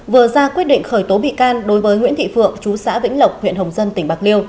vừa ra quyết định khởi tố bị can đối với nguyễn thị phượng chú xã vĩnh lộc huyện hồng dân tỉnh bạc liêu